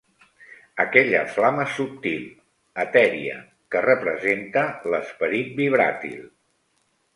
Aquella flama subtil, etèria, que representa l'esperit vibràtil.